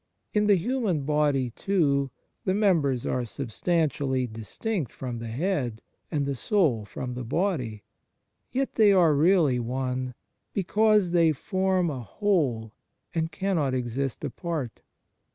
In the human body, too, the members are substantially distinct from the head, and the soul from the body. Yet they are really one, because they form a whole and cannot exist apart.